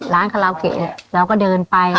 แล้วคนข้าวบ้านเขาก็พูด